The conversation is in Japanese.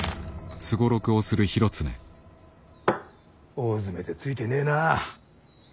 大詰めでツイてねえな。